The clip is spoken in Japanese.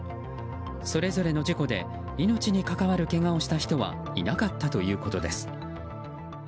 それぞれの事故で命に関わるけがをした人はいなかったということです。